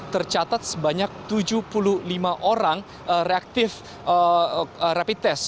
tercatat sebanyak tujuh puluh lima orang reaktif rapid test